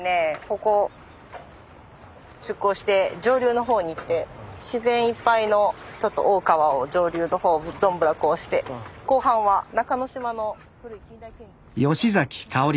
ここを出航して上流の方に行って自然いっぱいのちょっと大川を上流の方をどんぶらこして後半は中之島の。